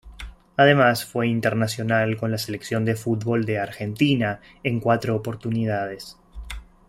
Además fue internacional con la Selección de fútbol de Argentina en cuatro oportunidades.